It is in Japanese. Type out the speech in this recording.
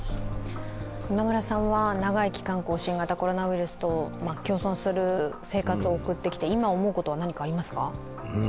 今村さんは長い期間、新型コロナウイルスと共存する生活を送ってきて、今思うことは何かありますか。